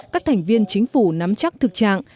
các thành viên chính phủ nắm chắc thực trạng